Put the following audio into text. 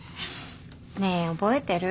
ねえ覚えてる？